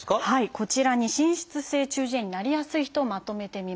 こちらに滲出性中耳炎になりやすい人をまとめてみました。